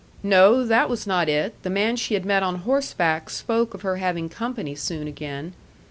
No; that was not it. The man she had met on horseback spoke of her having company soon again.